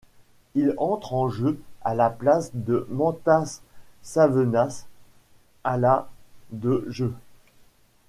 Il entre en jeu à la place de Mantas Savėnas à la de jeu.